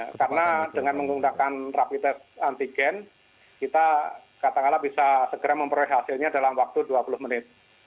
karena dengan menggunakan rapi tes antigen kita katakanlah bisa segera memperoleh hasilnya dalam waktu dua puluh menit